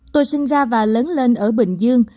tôi sinh ra và lớn lên ở bình dương